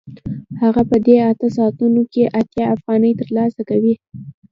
هغه په دې اته ساعتونو کې اتیا افغانۍ ترلاسه کوي